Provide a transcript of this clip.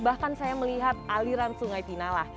bahkan saya melihat aliran sungai tinala